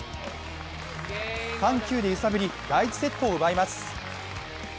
緩急で揺さぶり、第１セットを奪います。